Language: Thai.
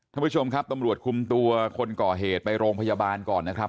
ท่านผู้ชมครับตำรวจคุมตัวคนก่อเหตุไปโรงพยาบาลก่อนนะครับ